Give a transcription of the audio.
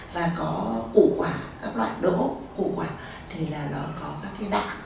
và có củ quả các loại đồ củ quả thì nó có các cái đạ